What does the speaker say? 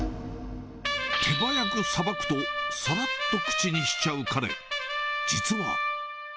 手早くさばくとさらっと口にしちゃう彼、実は。